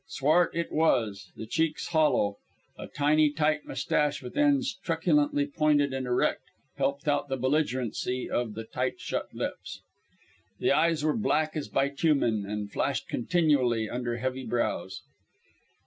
Swart it was, the cheeks hollow; a tiny, tight mustache with ends truculently pointed and erect helped out the belligerency of the tight shut lips. The eyes were black as bitumen, and flashed continually under heavy brows.